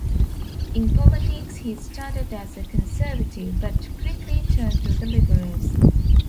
In politics, he started as a Conservative, but quickly turned to the Liberals.